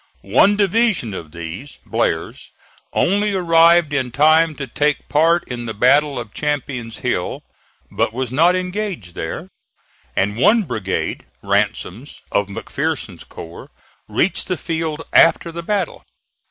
One division of these, Blair's, only arrived in time to take part in the battle of Champion's Hill, but was not engaged there; and one brigade, Ransom's of McPherson's corps, reached the field after the battle.